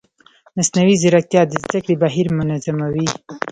مصنوعي ځیرکتیا د زده کړې بهیر منظموي.